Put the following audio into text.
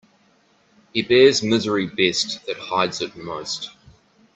He bears misery best that hides it most.